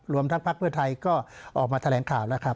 รวมทั้งพักเพื่อไทยก็ออกมาแถลงข่าวแล้วครับ